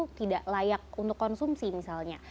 itu tidak layak untuk konsumsi misalnya